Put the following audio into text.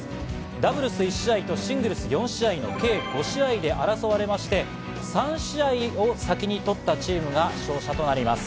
ダブルス１試合とシングルス４試合の計５試合で争われまして、３試合を先に取ったチームが勝者となります。